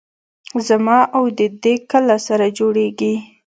زما او د دې کله سره جوړېږي.